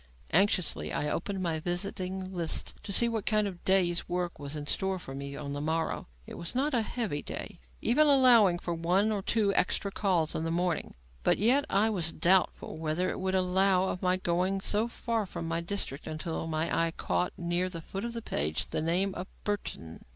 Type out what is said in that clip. Anxiously, I opened my visiting list to see what kind of day's work was in store for me on the morrow. It was not a heavy day, even allowing for one or two extra calls in the morning, but yet I was doubtful whether it would allow of my going so far from my district, until my eye caught, near the foot of the page, the name of Burton.